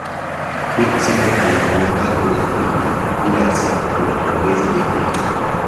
Qui si comprende la povertà di quella famiglia, diversa da quella borghese di Enrico.